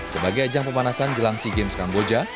sebagai ajang pemanasan jelang sea games kamboja